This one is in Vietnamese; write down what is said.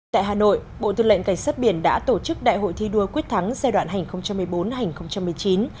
tại hà nội bộ tư lệnh cảnh sát biển đã tổ chức đại hội thi đua quyết thắng giai đoạn hành một mươi bốn hai nghìn một mươi chín